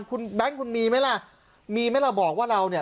คุณแบงค์คุณมีไหมล่ะมีไหมล่ะบอกว่าเราเนี่ย